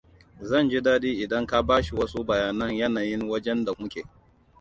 Zan ji daɗi idan ka bashi wasu bayanan yanayin wajen da muke.